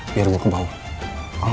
biar gue ke bawah